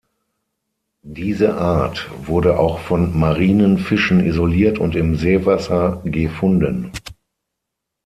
Diese Art wurde auch von marinen Fischen isoliert und im Seewasser gefunden.